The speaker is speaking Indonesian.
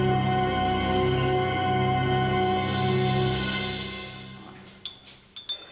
jadi dia paling tahu teh kesukaan oma